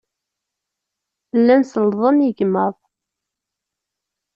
Llan sellḍen igmaḍ.